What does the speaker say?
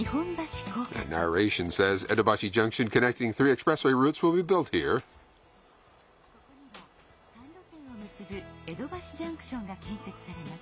ここには３路線を結ぶ江戸橋ジャンクションが建設されます。